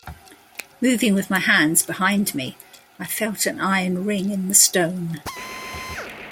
Moving with my hands behind me, I felt an iron ring in the stone.